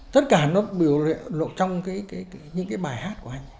tất cả nó biểu trong những cái bài hát của anh